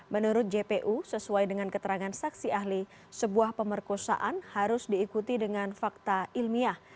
menurut jpu sesuai dengan keterangan saksi ahli sebuah pemerkosaan harus diikuti dengan fakta ilmiah